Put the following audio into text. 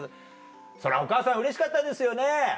そりゃお母さんうれしかったですよね？